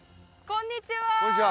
こんにちは。